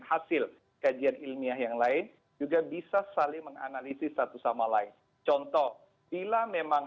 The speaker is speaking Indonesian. hasil kajian ilmiah yang lain juga bisa saling menganalisis satu sama lain contoh bila memang